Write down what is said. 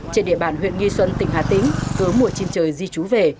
trên địa bàn huyện nghi xuân tỉnh hà tĩnh với mùa chiên trời di trú về